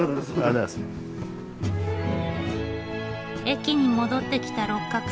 駅に戻ってきた六角さん。